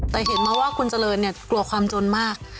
แต่เห็นมาว่าคุณเจริญเนี่ยกลัวความจนมาก